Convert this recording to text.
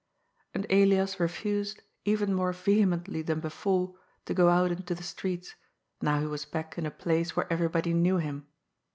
And Elias refused, even more vehemently than before, to go out into the streets, now he was back in a place where every body knew him.